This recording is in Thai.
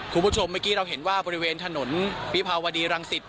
คุณผู้ชมเมื่อกี้เราเห็นว่าบริเวณถนนวิภาวดีรังสิต